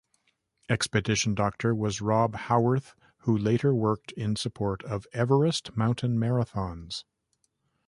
Expedition doctor was Rob Howarth who later worked in support of Everest Mountain Marathons.